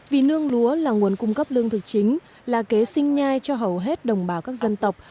vì nương lúa là nguồn cung cấp lương thực chính là kế sinh nhai cho hầu hết đồng bào các dân tộc